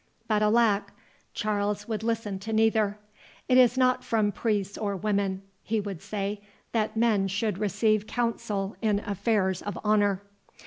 But, alack! Charles would listen to neither. It is not from priests or women, he would say, that men should receive counsel in affairs of honour."